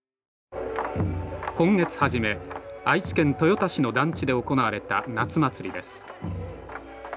今月初め愛知県豊田市の団地で行われた夏祭りです。